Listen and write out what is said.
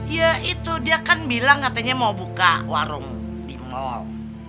ya itu dia kan bilang katanya mau buka warung di mal